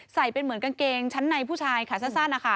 ใส่เป็นเหมือนกางเกงชั้นในผู้ชายขาสั้นนะคะ